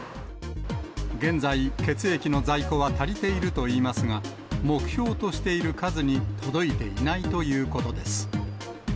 現在、血液の在庫は足りているといいますが、目標としている数に届いていないということです。